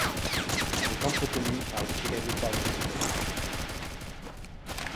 Elle est entretenue par le Chicago Park District.